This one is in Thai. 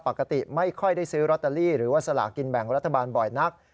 ปกติไม่ค่อยได้ซื้อลอตเตอรี่หรือว่าสลากินแบ่งรัฐบาลบ่อยนัก